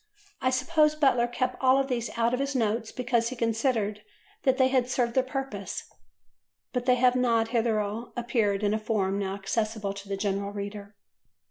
I suppose Butler kept all these out of his notes because he considered that they had served their purpose; but they have not hitherto appeared in a form now accessible to the general reader.